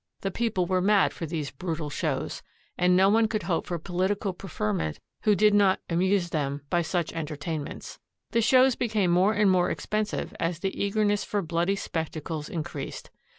The people were mad for these brutal shows, and no one could hope for political pre ferment who did not amuse them by such entertainments. The shows became more and more expensive as the eager ness for bloody spectacles increased.